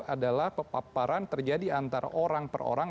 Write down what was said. adalah pepaparan terjadi antara orang per orang